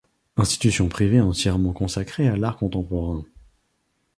Institution privée entièrement consacrée à l’art contemporain.